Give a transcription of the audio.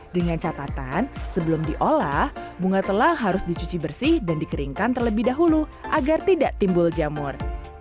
dengan catatan sebelum diolah bunga telang harus dicuci bersih dan dikeringkan terlebih dahulu agar tidak timbul jamur